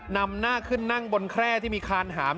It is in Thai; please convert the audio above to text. นำหน้าขึ้นนั่งบนแคร่ที่มีคานหาม